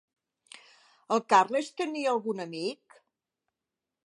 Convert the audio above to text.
En Carles tenia algun amic?